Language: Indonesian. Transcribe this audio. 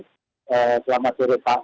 selamat hari pak